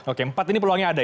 oke empat ini peluangnya ada